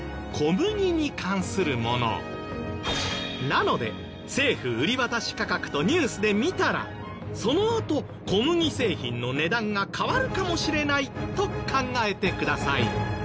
なので政府売渡価格とニュースで見たらそのあと小麦製品の値段が変わるかもしれないと考えてください。